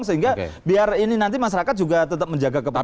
sehingga biar ini nanti masyarakat juga tetap menjaga kepastian